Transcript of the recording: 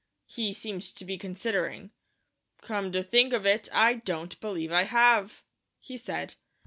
He seemed to be considering. "Come to think of it, I don't believe I have," he said.